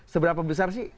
seberapa besar sih